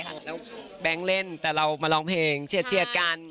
แล้วแบงค์เล่นแต่เรามาร้องเพลงเจียดกัน